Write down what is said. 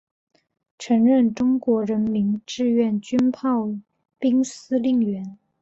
曾任中国人民志愿军炮兵司令员。